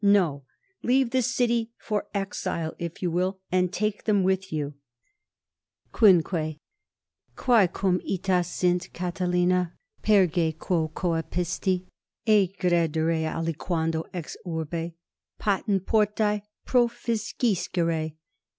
No, leave the city for exile, if you will and take them with you._ =5.= Quae cum ita sint, Catilina, perge quo coepisti, egredere aliquando ex urbe; patent portae: proficiscere.